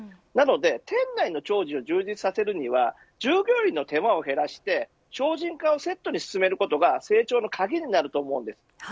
なので、店内の調理を充実させるには従業員の手間を減らして省人化をセットに進めることが成長の鍵になると思います。